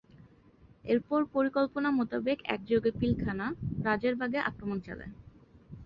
এরপর পরিকল্পনা মোতাবেক একযোগে পিলখানা, রাজারবাগে আক্রমণ চালায়।